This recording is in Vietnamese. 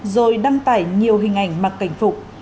rồi đăng tải nhiều hình ảnh mặc cảnh phục